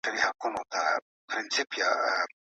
که انلاين چاپيريال ارام وي تمرکز ساتل کيږي.